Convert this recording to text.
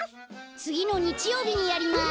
つぎのにちようびにやります。